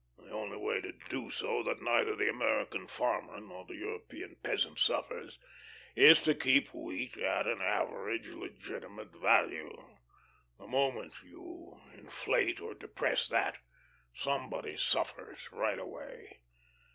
The only way to do so that neither the American farmer nor the European peasant suffers, is to keep wheat at an average, legitimate value. The moment you inflate or depress that, somebody suffers right away.